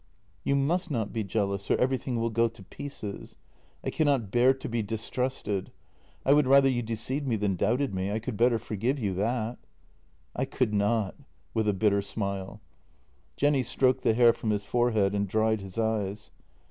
" You must not be jealous, or everything will go to pieces. I cannot bear to be distrusted. I would rather you deceived me than doubted me — I could better forgive you that." " I could not "— with a bitter smile. Jenny stroked the hair from his forehead and dried his eyes.